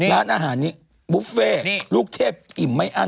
ร้านอาหารนี้บุฟเฟ่ลูกเทพอิ่มไม่อั้น